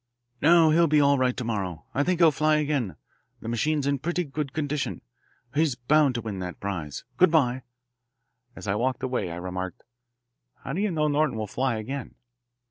"No, he'll be all right to morrow. I think he'll fly again. The machine's in pretty good condition. He's bound to win that prize. Good bye." As he walked away I remarked, "How do you know Norton will fly again?"